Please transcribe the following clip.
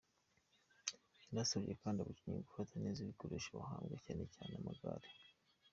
Yanasabye kandi abakinnyi gufata neza ibikoresho bahabwa, cyane cyane amagare.